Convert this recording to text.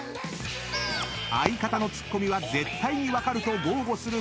［相方のツッコミは絶対に分かると豪語するまなぶ］